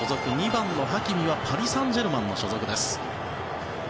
２番のハキミはパリ・サンジェルマンの所属。